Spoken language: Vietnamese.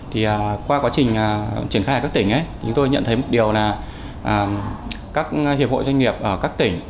thì qua quá trình triển khai ở các tỉnh chúng tôi nhận thấy một điều là các hiệp hội doanh nghiệp ở các tỉnh